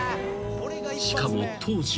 ［しかも当時は］